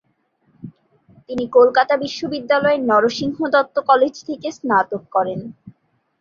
তিনি কলকাতা বিশ্ববিদ্যালয়ের নরসিংহ দত্ত কলেজ থেকে স্নাতক করেন।